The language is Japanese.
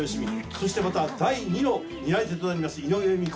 そしてまた第二の担い手となります井上由美子。